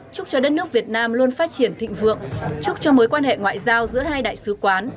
chúc cho đất nước việt nam luôn phát triển thịnh vượng chúc cho mối quan hệ ngoại giao giữa hai đại sứ quán